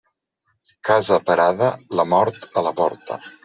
Casa parada, la mort a la porta.